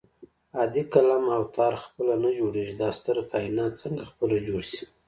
عادي قلم او تار خپله نه جوړېږي دا ستر کائنات څنګه خپله جوړ شي